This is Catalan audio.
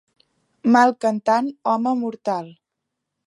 Malalt cantant, home mortal.